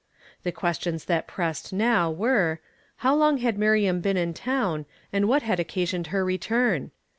The questions that pressed now, were : How long had Miriam l)een in town, and what had occasioned her return?